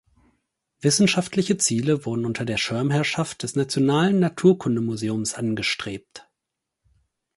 Wissenschaftliche Ziele wurden unter der Schirmherrschaft des Nationalen Naturkundemuseums angestrebt.